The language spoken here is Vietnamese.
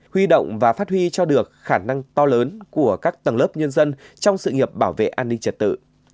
huy động và phát huy cho được khả năng to lớn của các tầng lớp nhân dân trong sự nghiệp bảo vệ an ninh trật tự